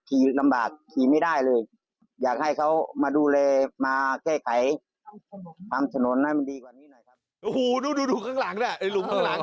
ขี่ลำบากขี่ไม่ได้เลยอยากให้เขามาดูแลมาใกล้ไกล